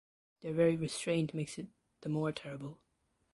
Their very restraint makes it the more terrible.